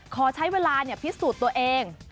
ขอใช้เวลาพิสูจน์ตัวเอง